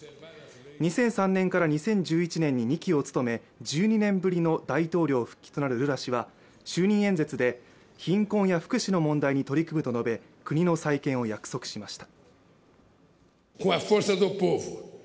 ２００３年から２０１１年に２期を務め１２年ぶりの大統領復帰となるルラ氏は、就任演説で貧困や福祉の問題に取り組むと述べ、国の再建を約束しました。